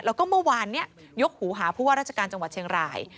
แล้วก็เมื่อวานนี้ยกหูหาผู้ว่าราชการจังหวัดเชียงราย